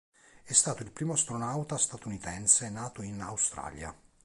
È stato il primo astronauta statunitense nato in Australia.